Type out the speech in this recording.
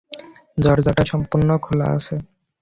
দরজা সম্পূর্ণ খোলা আছে।